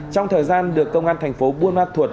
trong thời gian được công an thành phố buôn ma thuột